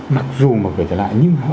mặc dù mở cửa trở lại nhưng mà họ